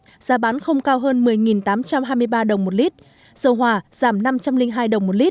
giá bán không cao hơn một mươi tám trăm hai mươi ba đồng một lít dầu hòa giảm năm trăm linh hai đồng một lít